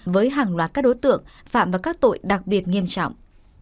với hàng loạt các đối tượng phạm vào các tội đặc biệt nghiêm trọng